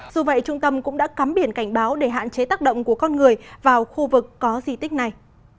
dù vậy trung tâm cũng đã cắm biển cảnh báo để hạn chế tác động của con người vào khu vực có di tích này